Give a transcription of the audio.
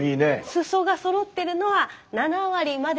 裾がそろってるのは７割までは。